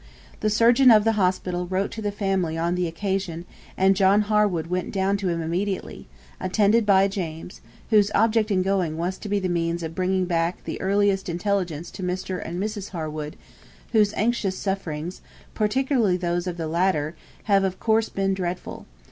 The surgeon of the hospital wrote to the family on the occasion, and John Harwood went down to him immediately, attended by James, whose object in going was to be the means of bringing back the earliest intelligence to Mr. and Mrs. Harwood, whose anxious sufferings, particularly those of the latter, have of course been dreadful.